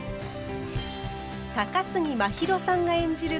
高杉真宙さんが演じる